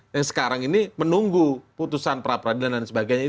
yang sekarang ini menunggu putusan prapradilan dan sebagainya